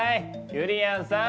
ゆりやんさん